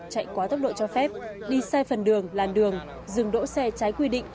chạy quá tốc độ cho phép đi sai phần đường làn đường dừng đỗ xe trái quy định